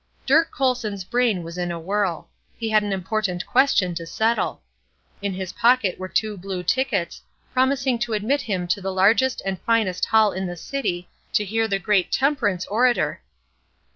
Dirk Colson's brain was in a whirl. He had an important question to settle. In his pocket were two blue tickets, promising to admit him to the largest and finest hall in the city to hear the great temperance orator.